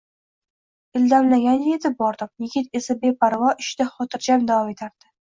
Ildamlagancha yetib bordim. Yigit esa beparvo, ishida xotirjam davom etardi.